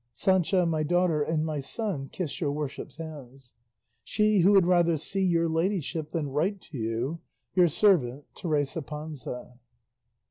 Sancha my daughter, and my son, kiss your worship's hands. She who would rather see your ladyship than write to you, Your servant, TERESA PANZA.